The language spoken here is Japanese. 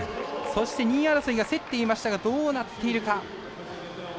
そして、２位争いが競っていましたがどうなっているか。